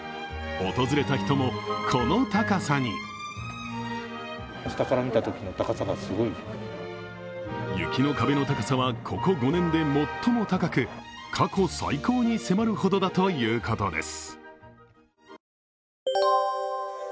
訪れた人も、この高さに雪の壁の高さはここ５年で最も高く、過去最高に迫るほどだということです。